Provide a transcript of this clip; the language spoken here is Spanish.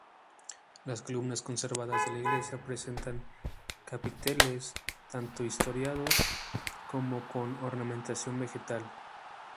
Las columnas conservadas de la iglesia presentan capiteles tanto historiados como con ornamentación vegetal.